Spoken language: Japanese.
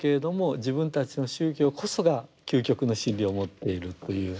自分たちの宗教こそが究極の真理を持っているという。